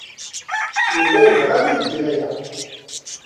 Yuba yebɣa ad ibeddel aya.